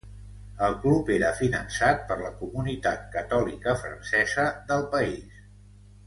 El club era finançat per la comunitat catòlica francesa del país.